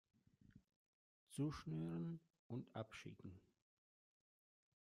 Zuschnüren und abschicken!